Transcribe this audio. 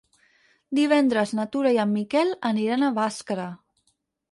Divendres na Tura i en Miquel aniran a Bàscara.